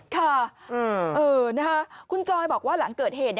ค่ะคุณจอยบอกว่าหลังเกิดเหตุ